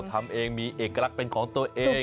ทำเองมีเอกลักษณ์เป็นของตัวเอง